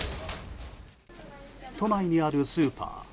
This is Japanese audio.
都内にあるスーパー。